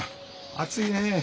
暑いねえ。